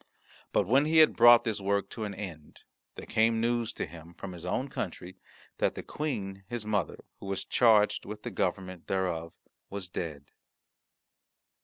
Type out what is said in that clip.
But when he had brought this work to an end, there came news to him from his own country that the Queen his mother, who was charged with the government thereof, was dead.